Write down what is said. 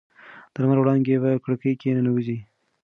د لمر وړانګې په کړکۍ کې ننوځي.